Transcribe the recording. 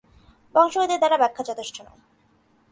বংশগতির দ্বারা ব্যাখ্যা যথেষ্ট নয়।